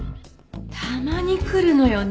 たまに来るのよね